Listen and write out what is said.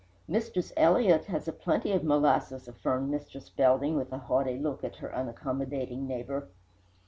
"Mistress Elliott has a plenty of molasses," affirmed Mistress Belding, with a haughty look at her unaccommodating neighbour.